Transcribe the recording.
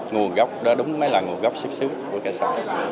nguồn gốc đó đúng mới là nguồn gốc xích xứ của cây xoài